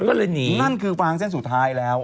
ก็เลยหนีนั่นคือฟางเส้นสุดท้ายแล้ว